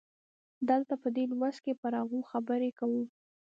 دلته په دې لوست کې پر هغو خبرې کوو.